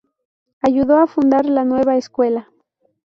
Ayudó a fundar La Nueva Escuela.